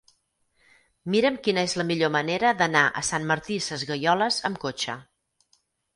Mira'm quina és la millor manera d'anar a Sant Martí Sesgueioles amb cotxe.